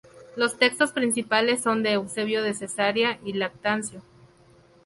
Los textos principales son de Eusebio de Cesarea y Lactancio.